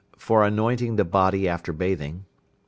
For anointing the body after bathing.